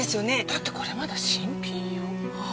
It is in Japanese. だってこれまだ新品よ。